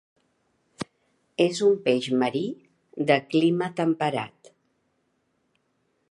És un peix marí de clima temperat.